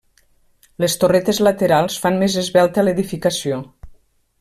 Les torretes laterals fan més esvelta l'edificació.